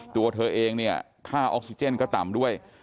ตัวเธอเองเนี่ยค่าออกซิเจนก็ต่ำด้วย